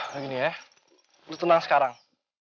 gak gini ya lo tenang sekarang